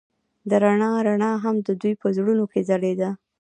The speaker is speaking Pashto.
د رڼا رڼا هم د دوی په زړونو کې ځلېده.